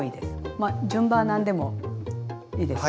まあ順番は何でもいいです。